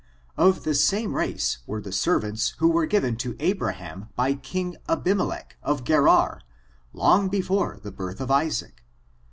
Of the same race were the servants who were given to Abraham by king Abimelech, of Gerar, long before the birth of Isaac.